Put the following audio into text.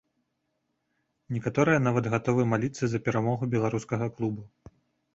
Некаторыя нават гатовы маліцца за перамогу беларускага клубу.